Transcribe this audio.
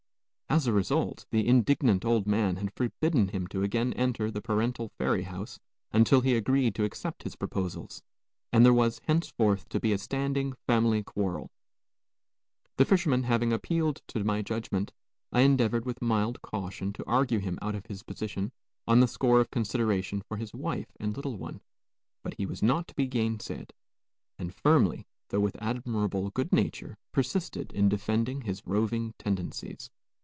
As a result, the indignant old man had forbidden him to again enter the parental ferry house until he agreed to accept his proposals, and there was henceforth to be a standing family quarrel. The fisherman having appealed to my judgment, I endeavored with mild caution to argue him out of his position on the score of consideration for his wife and little one; but he was not to be gainsaid, and firmly, though with admirable good nature, persisted in defending his roving tendencies.